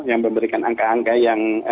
yang memberikan angka angka yang